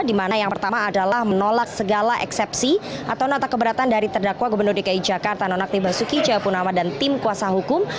di mana yang pertama adalah menolak segala eksepsi atau nota keberatan dari terdakwa gubernur dki jakarta nonaktif basuki cahaya punama dan tim kuasa hukum